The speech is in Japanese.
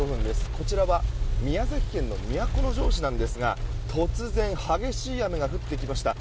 こちらは宮崎県の都城市なんですが突然、激しい雨が降ってきました。